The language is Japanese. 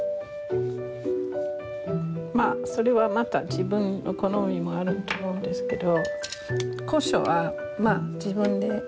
それはまた自分の好みもあると思うんですけどコショウはまあ自分で。